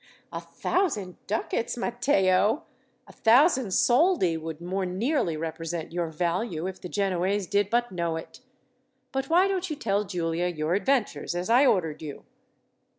"A thousand ducats, Matteo! A thousand soldi would more nearly represent your value, if the Genoese did but know it. But why don't you tell Giulia your adventures, as I ordered you?"